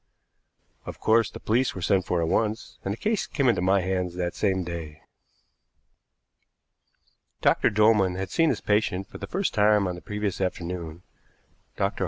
Of course, the police were sent for at once, and the case came into my hands that same day. Dr. Dolman had seen his patient for the first time on the previous afternoon. Dr.